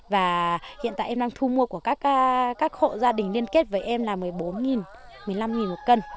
và hiện tại em đang thu mua của các hộ gia đình liên kết với em là một mươi bốn một mươi năm một cân